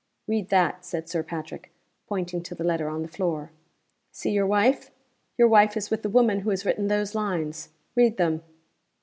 "Read that," said Sir Patrick, pointing to the letter on the floor. "See your wife? Your wife is with the woman who has written those lines. Read them."